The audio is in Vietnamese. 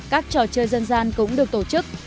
các trò chơi dân gian cũng được tổ chức